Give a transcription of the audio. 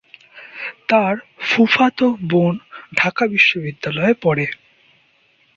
তার ফুফাতো বোন ঢাকা বিশ্ববিদ্যালয়ে পড়ে।